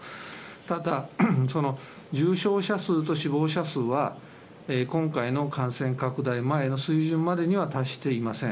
ただ、重症者数と死亡者数は、今回の感染拡大前の水準までには達していません。